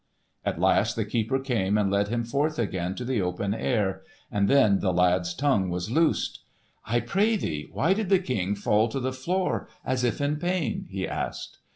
At last the keeper came and led him forth again to the open air, and then the lad's tongue was loosed. "I pray thee, why did the King fall to the floor as if in pain?" he asked.